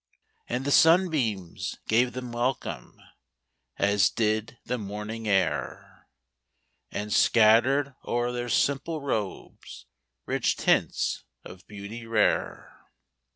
And the sunbeams gave them welcome. As did the morning air And scattered o'er their simple robes Rich tints of beauty rare.